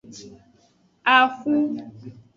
Axu.